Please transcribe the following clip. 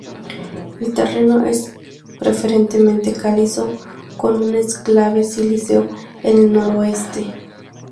El terreno es preferentemente calizo, con un enclave silíceo en el noreste.